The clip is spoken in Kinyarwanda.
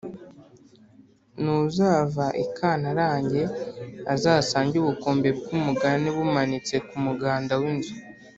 N’uzava I kantarange azasange ubukombe bw’umugani bumanitse kumuganda w’inzu…